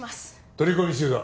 取り込み中だ